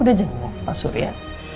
udah jenguk pak surya